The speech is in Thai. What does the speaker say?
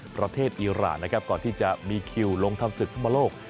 ประเทศอีรานนะครับก่อนที่จะมีคิวลงทำศึกฟุตบอลโลก